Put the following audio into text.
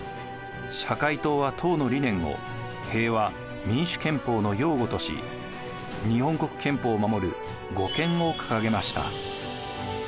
社会党は党の理念を平和民主憲法の擁護とし日本国憲法を守る護憲を掲げました。